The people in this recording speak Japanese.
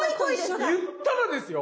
言ったらですよ